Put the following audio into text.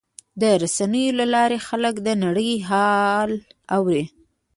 د رسنیو له لارې خلک د نړۍ حال اوري.